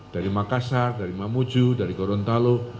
dari makassar dari mamuju dari gorontalo